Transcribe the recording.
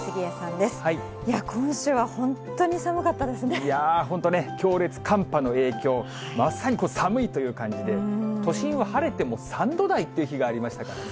いやぁ、本当ね、強烈寒波の影響、まさに寒いという感じで、都心は晴れても３度台って日がありましたからね。